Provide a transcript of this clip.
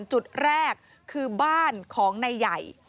จุดแรกคือบ้านของนายใหญ่